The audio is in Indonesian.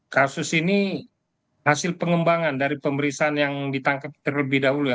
kasus ini hasil pengembangan dari pemeriksaan yang ditangkap terlebih dahulu ya